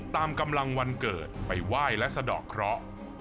ตามกำลังวันเกิดไปไหว้และสะดอกเคราะห์